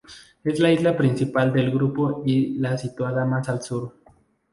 Es la isla principal del grupo y la situada más al sur.